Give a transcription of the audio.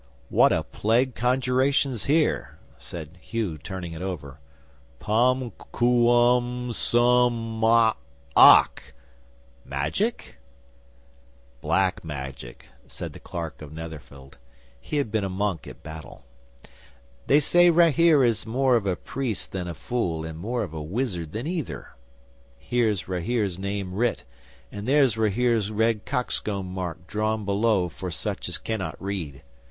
'"What a plague conjuration's here?" said Hugh, turning it over. "Pum quum sum oc occ. Magic?" '"Black Magic," said the Clerk of Netherfield (he had been a monk at Battle). "They say Rahere is more of a priest than a fool and more of a wizard than either. Here's Rahere's name writ, and there's Rahere's red cockscomb mark drawn below for such as cannot read."